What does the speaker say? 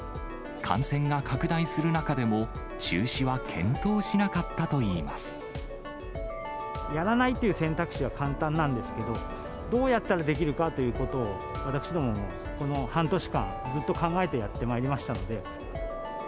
感染が拡大する中でも、やらないという選択肢は簡単なんですけど、どうやったらできるかということを、私どももこの半年間、ずっと考えてやってまいりましたので。